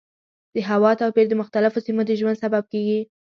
د هوا توپیر د مختلفو سیمو د ژوند سبب کېږي.